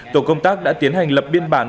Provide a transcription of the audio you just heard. tổ công tác đã tiến hành lập biên bản